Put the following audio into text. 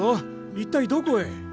一体どこへ？